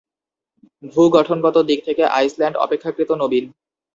ভূ-গঠনগত দিক থেকে আইসল্যান্ড অপেক্ষাকৃত নবীন।